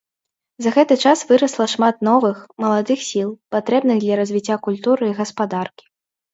За гэты час вырасла шмат новых, маладых сіл, патрэбных для развіцця культуры і гаспадаркі.